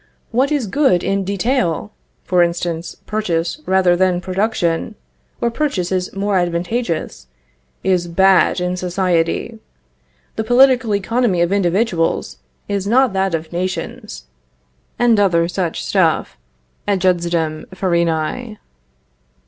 What is good in detail for instance: purchase rather than production, where purchase is more advantageous is bad in a society. The political economy of individuals is not that of nations;" and other such stuff, ejusdem farinæ.